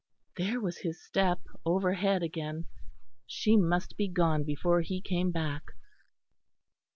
There was his step overhead again. She must be gone before he came back.